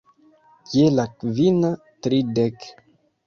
Je la kvina tridek.